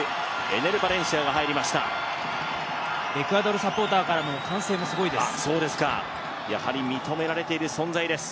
エクアドルサポーターからの歓声もすごいです。